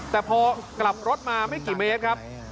แต่พอกลับรถมาไม่กี่เมตรครับ